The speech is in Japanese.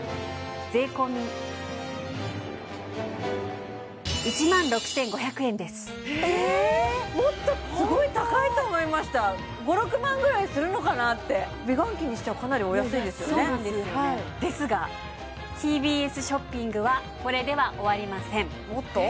税込１万６５００円ですえもっとすごい高いと思いました５６万ぐらいするのかなって美顔器にしてはかなりお安いですよねそうなんですよねですがＴＢＳショッピングはこれでは終わりませんおっと？